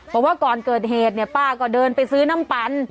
บอกว่าก่อนเกิดเหตุเนี่ยป้าก็เดินไปซื้อน้ำปัน